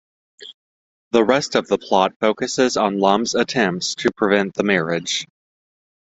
The rest of the plot focuses on Lum's attempts to prevent the marriage.